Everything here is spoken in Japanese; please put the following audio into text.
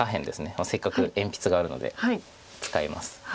せっかく鉛筆があるので使います。